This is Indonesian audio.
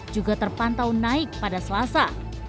juga terpantau naik pada selasa